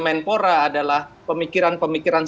menpora adalah pemikiran pemikiran